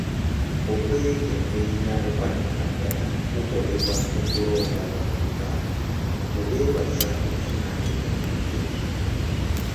Okwekenneenya okwa nnamaddala kukolebwa mu kulonda abavubuka okubeewaza okufunamu emirundi ebiri.